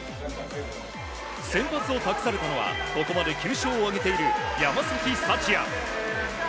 先発を託されたのはここまで９勝を挙げている山崎福也。